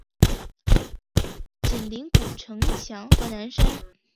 紧邻古城墙和南山。